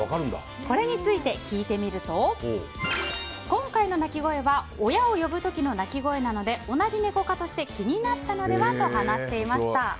これについて聞いてみると今回の鳴き声は親を呼ぶ時の鳴き声なので同じネコ科として気になったのではと話していました。